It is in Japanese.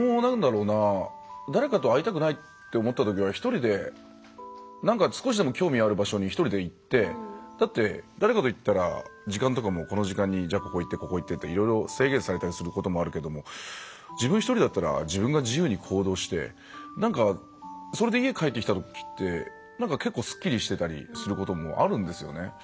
僕も誰かと会いたくないって思ったときは一人で、なんか少しでも興味ある場所に一人で行ってだって、誰かと行ったら時間とかもこの時間にここ行ってって制限されたりすることも歩けど自分一人だったら自分が自由に行動してそれで、家に帰ってきたときって結構すっきりしてたりすることもあるんですよね。